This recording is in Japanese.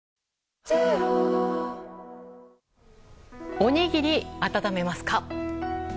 おにぎり温めますか？